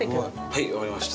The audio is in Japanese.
はいわかりました。